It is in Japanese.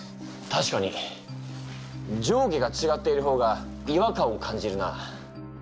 たしかに上下がちがっている方が違和感を感じるな。